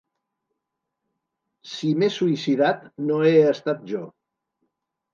Si m’he suïcidat, no he estat jo.